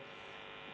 pak hendy f kurniawan